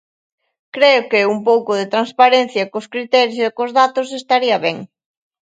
Creo que un pouco de transparencia cos criterios e cos datos estaría ben.